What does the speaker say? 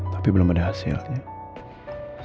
tapi belum ada hasilnya